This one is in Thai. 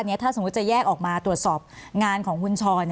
ถ้าสมมุติจะแยกออกมาตรวจสอบงานของคุณชร